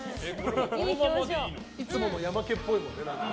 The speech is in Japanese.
いつものヤマケンっぽいもんね。